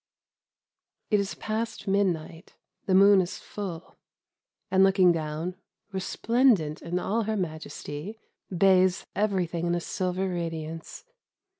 It is past midnight; the moon is full, and looking down, resplendent in all her majesty, bathes everything in a silver radiance.